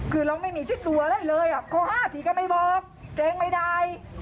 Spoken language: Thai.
คือเราไม่มีชื่อตัวแล้วเลยพี่ก็ไม่บอกแจงไม่ได้